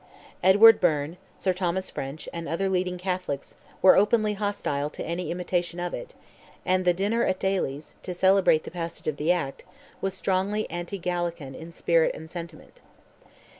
Edward Byrne, Sir Thomas French, and other leading Catholics, were openly hostile to any imitation of it, and the dinner at Daly's, to celebrate the passage of the act, was strongly anti Gallican in spirit and sentiment.